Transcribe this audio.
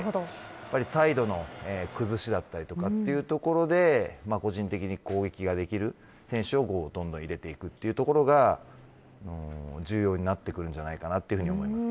サイドの崩しだったりそういったところで、個人的に攻撃ができる選手をどんどん入れていくことが重要になるんじゃないかなと思います。